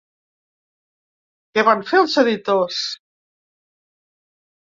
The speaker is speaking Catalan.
Què van fer els editors?